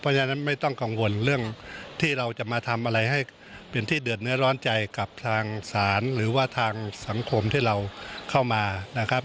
เพราะฉะนั้นไม่ต้องกังวลเรื่องที่เราจะมาทำอะไรให้เป็นที่เดือดเนื้อร้อนใจกับทางศาลหรือว่าทางสังคมที่เราเข้ามานะครับ